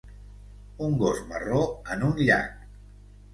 Un gos marró en un llac